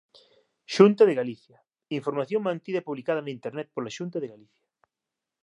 Xunta de Galicia. Información mantida e publicada na internet pola Xunta de Galicia